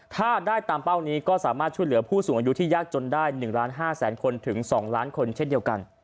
ถ้าได้ตามเป้านี้ก็สามารถช่วยเหลือผู้สูงอายุที่ยากจนได้๑ล้าน๕แสนคนถึง๒ล้านคนเช่นเดียวกัน